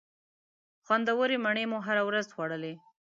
خوندورې مڼې مو هره ورځ خوړلې.